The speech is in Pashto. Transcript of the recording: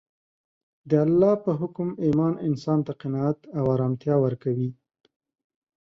د الله په حکم ایمان انسان ته قناعت او ارامتیا ورکوي